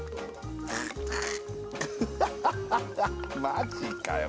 マジかよ